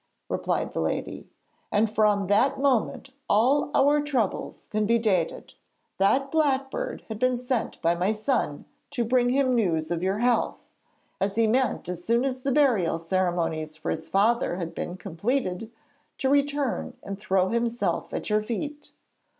replied the lady, 'and from that moment all our troubles can be dated. That blackbird had been sent by my son to bring him news of your health, as he meant as soon as the burial ceremonies for his father had been completed to return and throw himself at your feet.